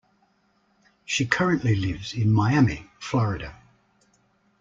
She currently lives in Miami, Florida.